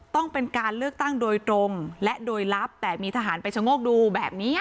ต้องเป็นการเลือกตั้งโดยตรงและโดยลับแต่มีทหารไปชะโงกดูแบบนี้